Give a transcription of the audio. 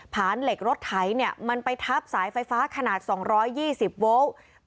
านเหล็กรถไถมันไปทับสายไฟฟ้าขนาด๒๒๐โวลต์